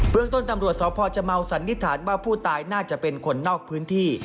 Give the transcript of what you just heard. เมืองต้นตำรวจสพชเมาสันนิษฐานว่าผู้ตายน่าจะเป็นคนนอกพื้นที่